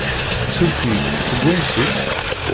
Suref-iyi, seg wansi-k?